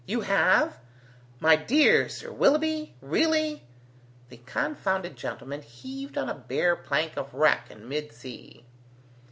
You have? My dear Sir Willoughby? Really?" The confounded gentleman heaved on a bare plank of wreck in mid sea.